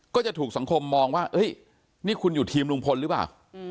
ก็ถูกสังคมที่มองว่าทีมรุงพลหรือเปล่า